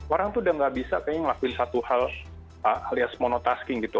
orang tuh udah gak bisa kayaknya ngelakuin satu hal alias monotasking gitu